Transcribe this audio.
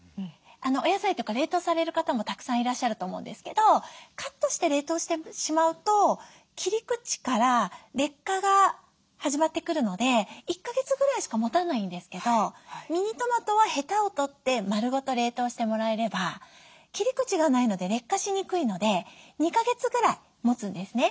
お野菜とか冷凍される方もたくさんいらっしゃると思うんですけどカットして冷凍してしまうと切り口から劣化が始まってくるので１か月ぐらいしかもたないんですけどミニトマトはヘタを取って丸ごと冷凍してもらえれば切り口がないので劣化しにくいので２か月くらいもつんですね。